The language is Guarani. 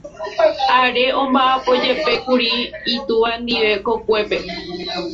Are omba'apojepékuri itúva ndive kokuépe.